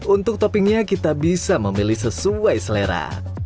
untuk toppingnya kita bisa memilih sesuai selera